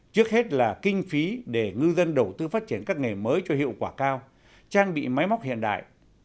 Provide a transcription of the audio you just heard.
trước hết là kinh phí để ngư dân đầu tư phát triển các nghề mới cho hiệu quả cao trang bị máy móc hiện đại